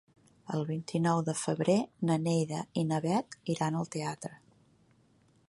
El vint-i-nou de febrer na Neida i na Bet iran al teatre.